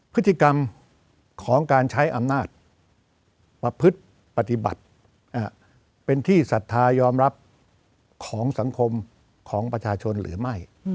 พฤติกรรมของการใช้อำนาจประพฤติปฏิบัติเป็นที่ศรัทธายอมรับของสังคมของประชาชนหรือไม่